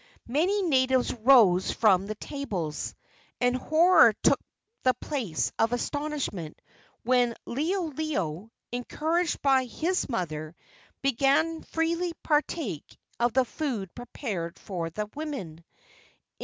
Many natives rose from the tables, and horror took the place of astonishment when Liholiho, encouraged by his mother, began to freely partake of the food prepared for the women.